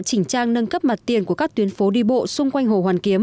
chỉnh trang nâng cấp mặt tiền của các tuyến phố đi bộ xung quanh hồ hoàn kiếm